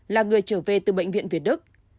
là người trở về từ bệnh viện việt đức